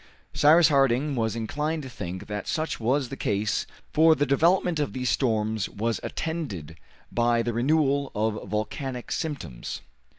Cyrus Harding was inclined to think that such was the case, for the development of these storms was attended by the renewal of volcanic symptoms.